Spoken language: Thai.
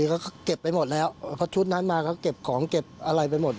เขาก็เก็บไปหมดแล้วพอชุดหน้านาเขาเก็บของเก็บอะไรไปหมด